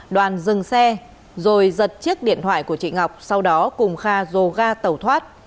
đoàn dừng xe rồi giật chiếc điện thoại của chị ngọc sau đó cùng kha dồ ga tàu thoát